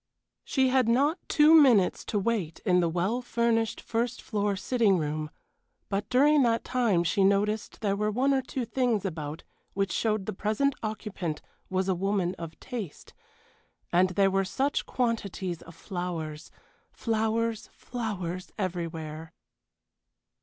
She had not two minutes to wait in the well furnished first floor sitting room, but during that time she noticed there were one or two things about which showed the present occupant was a woman of taste, and there were such quantities of flowers. Flowers, flowers, everywhere.